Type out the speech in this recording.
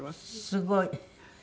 すごい。